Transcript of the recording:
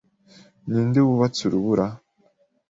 Ninde wubatse urubura?